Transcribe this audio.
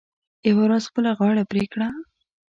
یوه ورځ خپله غاړه پرې کړه .